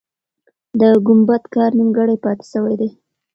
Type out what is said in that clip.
د ګمبد کار نیمګړی پاتې سوی دی.